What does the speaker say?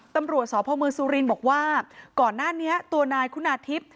ตำรวจสพมสุรินบอกว่าก่อนหน้านี้ตัวนายคุณาทิพย์